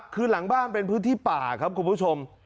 คือหลังบ้านเป็นพื้นที่ป่าครับคุณผู้ชม